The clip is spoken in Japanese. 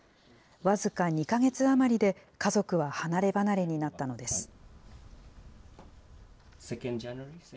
僅か２か月余りで、家族は離れ離れになったのです。